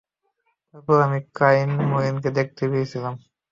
তারপর আমি ক্লাইভ মরিনকে দেখতে পেয়েছিলাম।